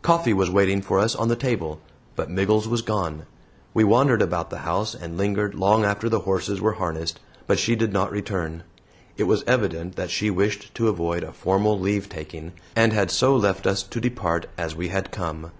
Coffee was waiting for us on the table, but Miggles was gone. We wandered about the house and lingered long after the horses were harnessed, but she did not return. It was evident that she wished to avoid a formal leave taking, and had so left us to depart as we had come.